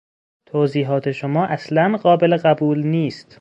توضیحات شما اصلا قابل قبول نیست.